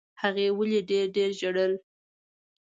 هغې ولي ډېر ډېر ژړل؟